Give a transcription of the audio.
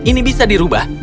ini bisa dirubah